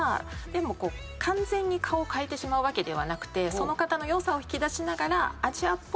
でも完全に顔変えてしまうわけではなくてその方の良さを引き出しながら。